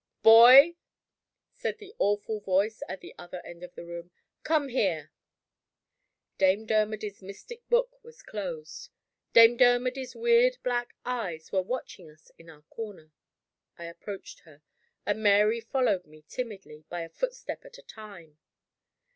"Boy!" said the awful voice at the other end of the room. "Come here." Dame Dermody's mystic book was closed; Dame Dermody's weird black eyes were watching us in our corner. I approached her; and Mary followed me timidly, by a footstep at a time.